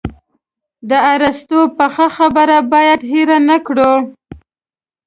د ارسطو پخه خبره باید هېره نه کړو.